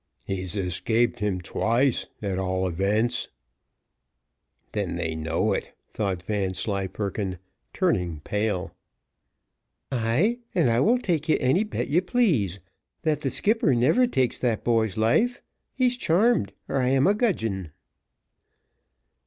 "He's escaped him twice, at all events." "Then they know it," thought Vanslyperken, turning pale. "Ay, and I will take you any bet you please, that the skipper never takes that boy's life. He's charmed, or I am a gudgeon."